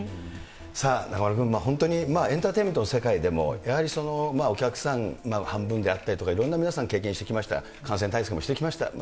さあ、中丸君、本当にエンターテインメントの世界でも、やはりお客さん、半分であったりとかいろんな皆さん、経験してきました、感染対策もしてきました。